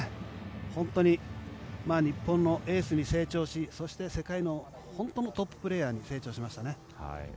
本当に日本のエースに成長しそして世界の本当のトッププレーヤーに成長しましたね。